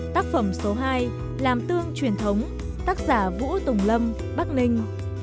tác phẩm số hai làm tương truyền thống tác giả vũ tùng lâm bắc ninh